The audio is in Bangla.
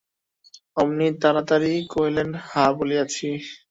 অমনি তাড়াতাড়ি কহিলেন, হাঁ বলিয়াছি।